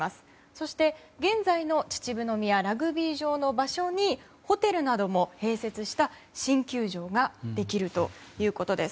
そして、現在の秩父宮ラグビー場の場所にホテルなども併設した新球場ができるということです。